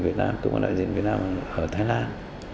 và các cơ quan đại diện việt nam ở thái lan